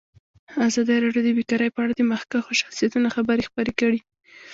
ازادي راډیو د بیکاري په اړه د مخکښو شخصیتونو خبرې خپرې کړي.